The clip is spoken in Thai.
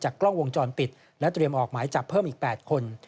กล้องวงจรปิดและเตรียมออกหมายจับเพิ่มอีก๘คน